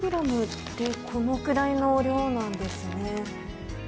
８グラムでこのくらいの量なんですね。